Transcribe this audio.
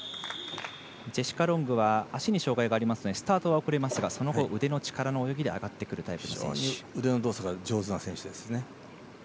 ジェシカ・ロングは足に障がいがありますのでスタートは遅れますがその後、腕の力の泳ぎで上がってくるタイプ。